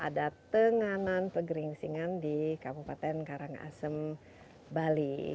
ada tenganan pegeringsingan di kabupaten karangasem bali